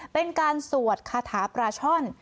เป็นการสวดคาถาปลาช่อน